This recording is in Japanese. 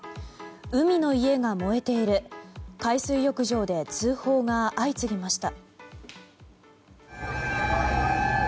海の家が燃えている海水浴場で通報が相次ぎました。